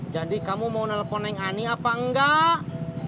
jadi kamu mau telepon neng ani apa enggak